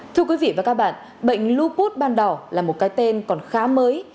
thưa quý vị và các bạn bệnh lupus ban đỏ là một cái tên còn khá mới